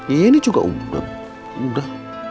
iya ini juga udah